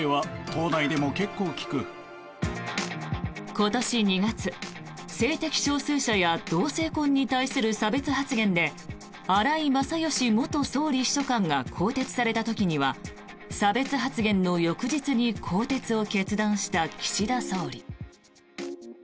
今年２月、性的少数者や同性婚に対する差別発言で荒井勝喜元総理秘書官が更迭された時には差別発言の翌日に更迭を決断した岸田総理。